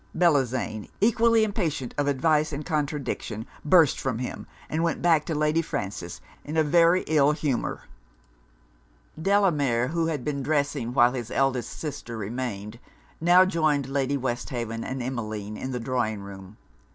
Bellozane, equally impatient of advice and contradiction, burst from him; and went back to Lady Frances in a very ill humour. Delamere, who had been dressing while his eldest sister remained, now joined Lady Westhaven and Emmeline in the drawing room.